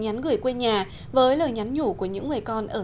tôi đừng quên nói được những gì họ đang có